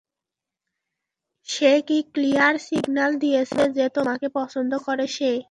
সে কি clear signal দিয়েছে যে, তোমাকে পছন্দ করে সে?